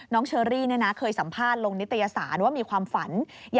เชอรี่เคยสัมภาษณ์ลงนิตยสารว่ามีความฝัน